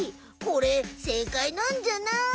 これせいかいなんじゃない？